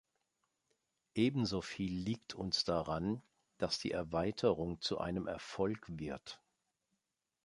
Ebensoviel liegt uns daran, dass die Erweiterung zu einem Erfolg wird.